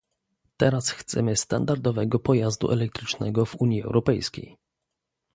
Teraz chcemy standardowego pojazdu elektrycznego w Unii Europejskiej